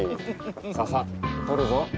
ささ撮るぞ。